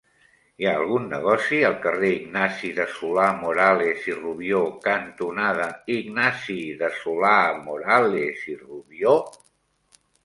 Hi ha algun negoci al carrer Ignasi de Solà-Morales i Rubió cantonada Ignasi de Solà-Morales i Rubió?